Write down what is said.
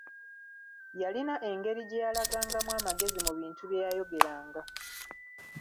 Yalina engeri gye yalagangamu amagezi mu bintu byeyayogeranga.